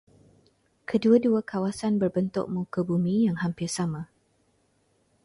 Kedua-dua kawasan berbentuk muka bumi yang hampir sama.